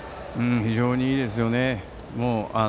非常にいいですね。